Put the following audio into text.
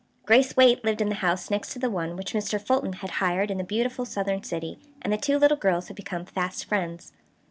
Grace Waite lived in the house next to the one which Mr. Fulton had hired in the beautiful southern city, and the two little girls had become fast friends.